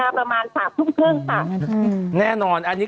แล้วขอตัดภาพไปเลยแล้วกันนะครับ